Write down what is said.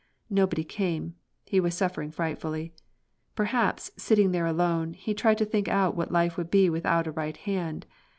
Nobody came; he was suffering frightfully. Perhaps, sitting there alone, he tried to think out what life would be without a right hand.